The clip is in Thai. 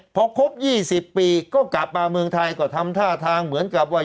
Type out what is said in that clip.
พอครบ๒๐ปีก็กลับมาเมืองไทยก็ทำท่าทางเหมือนกับว่า